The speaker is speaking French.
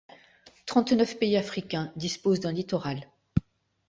Trente-neuf pays africains disposent d'un littoral.